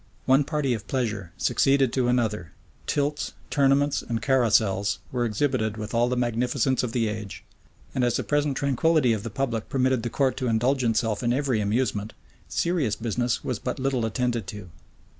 One party of pleasure succeeded to another: tilts, tournaments, and carousals were exhibited with all the magnificence of the age; and as the present tranquillity of the public permitted the court to indulge itself in every amusement, serious business was but little attended to.